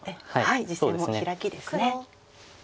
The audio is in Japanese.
実戦もヒラキですね。